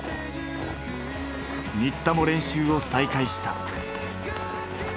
新田も練習を再開した。